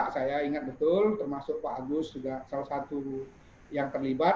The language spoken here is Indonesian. saya ingat betul termasuk pak agus juga salah satu yang terlibat